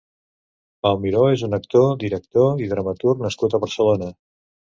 Pau Miró és un actor, director i dramaturg nascut a Barcelona.